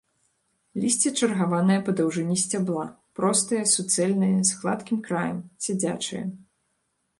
Лісце чаргаванае па даўжыні сцябла, простае, суцэльнае, з гладкім краем, сядзячае.